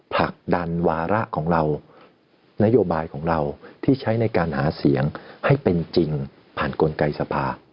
ผลักดันวาระของเรานโยบายของเราที่ใช้ในการหาเสียงให้เป็นจริงผ่านกลไกสภา